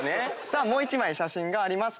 さあもう１枚写真があります。